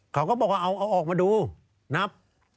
เขาก็บอกว่าเอาออกมาดูนับ